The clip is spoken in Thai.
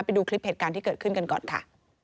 ไปดูคลิปเหตุการณ์ที่เกิดขึ้นกันก่อนค่ะ